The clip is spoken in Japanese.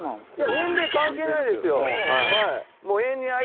年齢関係ないですよ。